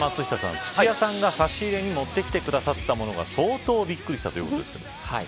松下さん、土屋さんが差し入れに持ってきてくださったものが相当びっくりしたということです。